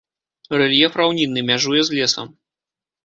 Рэльеф раўнінны, мяжуе з лесам.